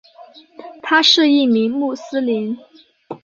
他是一名穆斯林。